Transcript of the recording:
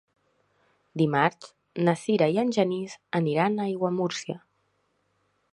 Dimarts na Sira i en Genís aniran a Aiguamúrcia.